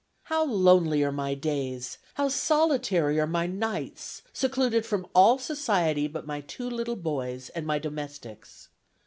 "How lonely are my days! how solitary are my nights! secluded from all society but my two little boys and my domestics.